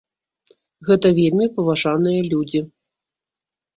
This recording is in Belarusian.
Гэта вельмі паважаныя людзі.